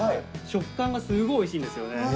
食感がすごいおいしいんですよね。